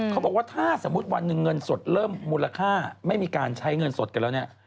เขาบอกว่าถ้าสมมุติวันหนึ่งเงินสดเริ่มมูลค่าไม่มีการใช้เงินสดกันแล้วเนี่ย